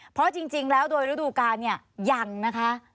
เพราะจริงแล้วโดยฤดูกาลเนี่ยยังนะคะ